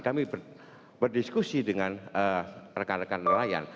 kami berdiskusi dengan rekan rekan nelayan